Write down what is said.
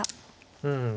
うん。